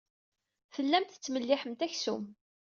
Tellamt tettmelliḥemt aksum.